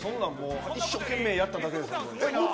一生懸命やっただけです。